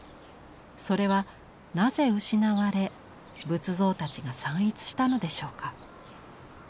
それはなぜ失われ仏像たちが散逸したのでしょうか。